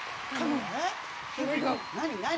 何何？